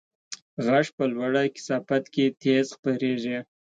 غږ په لوړه کثافت کې تېز خپرېږي.